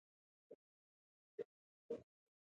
咖啡豆仔